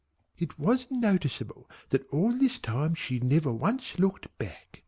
It was noticeable that all this time she never once looked back.